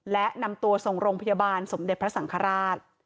และนำตัวส่งโรงพยาบาลสมเด็จพระสังฆราช